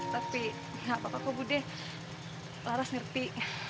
tapi nggak apa apa budi laras ngerti